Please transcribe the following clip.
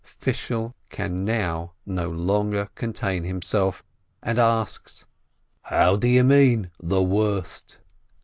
Fishel can now no longer contain himself, and asks: "How do you mean, the worse?"